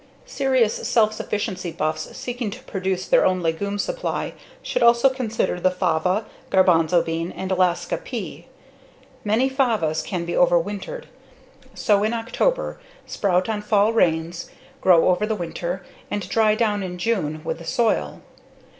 Serious self sufficiency buffs seeking to produced their own legume supply should also consider the fava, garbanzo bean, and Alaska pea. Many favas can be overwintered: sow in October, sprout on fall rains, grow over the winter, and dry down in June with the soil.